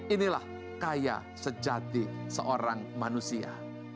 inilah kaya sejati seorang manusia